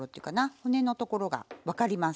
骨のところが分かります。